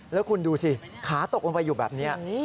แล้วคุณดูสิขาตกลงไปอยู่แบบนี้